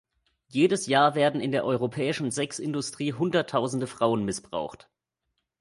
Jedes Jahr werden in der europäischen Sexindustrie Hunderttausende Frauen missbraucht.